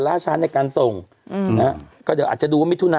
ล่าช้าในการส่งอืมนะฮะก็เดี๋ยวอาจจะดูว่ามิถุนา